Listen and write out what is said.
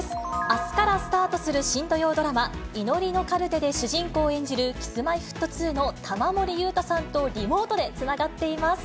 あすからスタートする新土曜ドラマ、祈りのカルテで主人公を演じる、Ｋｉｓ−Ｍｙ−Ｆｔ２の玉森裕太さんとリモートでつながっています。